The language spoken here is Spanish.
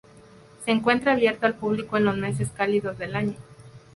Se encuentra abierto al público en los meses cálidos del año.